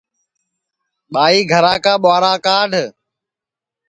ٻائی گھرا کا ٻُوہارا کاڈؔ